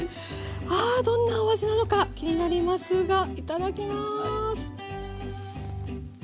ああどんなお味なのか気になりますがいただきます！